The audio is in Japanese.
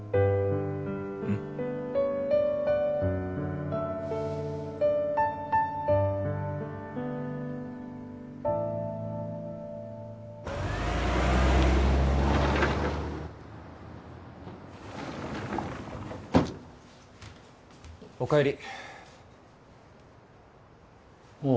うんお帰りあ